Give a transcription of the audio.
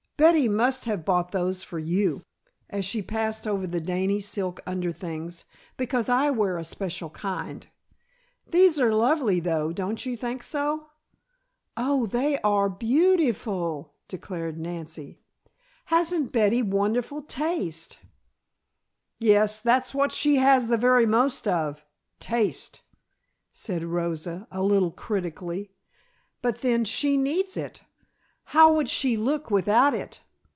"Betty must have bought those for you," as she passed over the dainty silk under things, "because I wear a special kind. These are lovely, though. Don't you think so?" "Oh, they are be u tee ful!" declared Nancy. "Hasn't Betty wonderful taste?" "Yes, that's what she has the very most of taste," said Rosa a little critically. "But then, she needs it. How would she look without it?